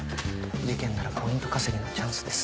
事件ならポイント稼ぎのチャンスです。